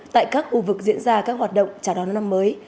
tại các khu vực diễn ra các hoạt động trả đón năm mới